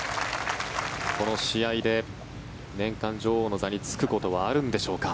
この試合で年間女王の座に就くことはあるのでしょうか。